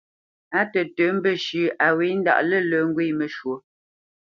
Á tətə̌ mbəshʉ̂ a wě ndaʼ lə̂lə̄ ŋgwě məshwǒ.